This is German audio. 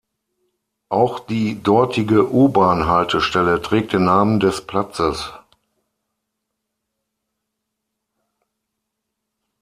Auch die dortige U-Bahn-Haltestelle trägt den Namen des Platzes.